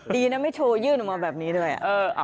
ดีนะไม่โชว์ยื่นออกมาแบบนี้ด้วย